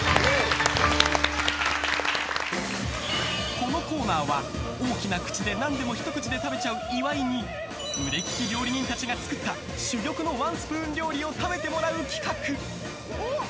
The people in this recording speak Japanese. このコーナーは、大きな口で何でもひと口で食べちゃう岩井に腕利き料理人たちが作った珠玉のワンスプーン料理を食べてもらう企画。